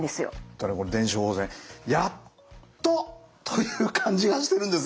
ただこの電子処方箋やっとという感じがしてるんですが。